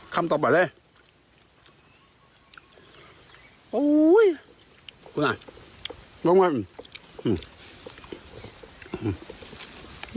คำต่อมาเลย